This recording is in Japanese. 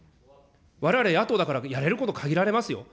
われわれ野党だからやれること限られますよ。